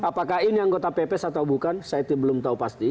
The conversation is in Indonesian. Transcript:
apakah ini anggota pps atau bukan saya belum tahu pasti